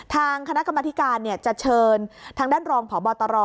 ทางคณะกรรมธิการจะเชิญทางด้านรองพบตร